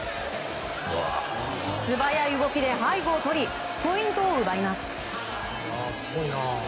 素早い動きで背後をとりポイントを奪います。